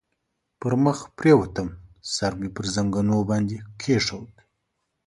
پر مخ پرېوتم، سر مې پر زنګنو باندې کېښود.